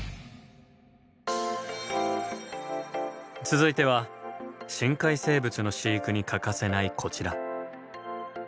続いては深海生物の飼育に欠かせないこちら。